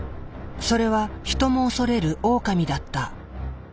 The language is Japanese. それはヒトも恐れるオオカミだった。